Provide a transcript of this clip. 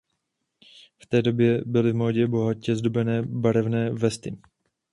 V té době byly v módě bohatě zdobené barevné vesty.